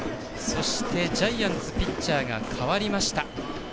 そして、ジャイアンツピッチャーが代わりました。